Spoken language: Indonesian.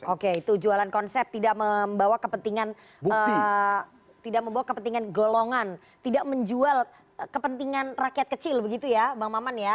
oke itu jualan konsep tidak membawa kepentingan tidak membawa kepentingan golongan tidak menjual kepentingan rakyat kecil begitu ya bang maman ya